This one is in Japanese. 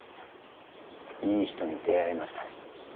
いい人に出会えましたね。